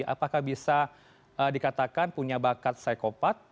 apakah bisa dikatakan punya bakat psikopat